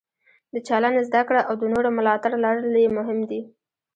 د چلند زده کړه او د نورو ملاتړ لرل یې مهم دي.